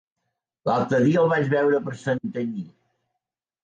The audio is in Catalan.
L'altre dia el vaig veure per Santanyí.